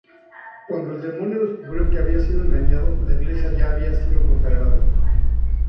Cuando el demonio descubrió que había sido engañado la iglesia ya había sido consagrada.